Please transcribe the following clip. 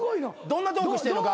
どんなトークしてんの？